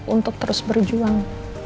untuk terus berjuang